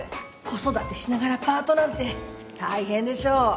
子育てしながらパートなんて大変でしょう。